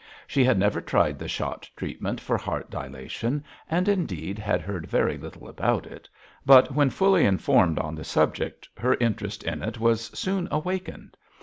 She had never tried the Schott treatment for heart dilation, and indeed had heard very little about it; but when fully informed on the subject, her interest in it was soon awakened.